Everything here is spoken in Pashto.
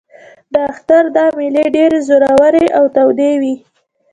د اختر دا مېلې ډېرې زورورې او تودې وې.